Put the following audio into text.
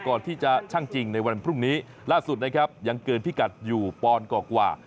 ช่างจริงในวันพรุ่งนี้ล่าสุดนะครับยังเกินพิกัดอยู่ปอนด์กว่า